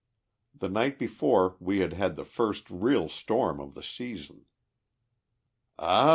The night before we had had the first real storm of the season. "Ah!